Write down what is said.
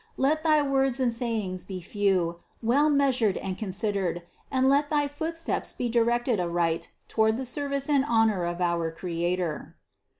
Let thy words and sayings be few, well measured and con sidered, and let thy footsteps be directed aright toward the service and honor of our Creator."